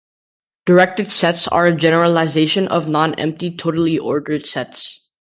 Directed sets are a generalization of nonempty totally ordered sets.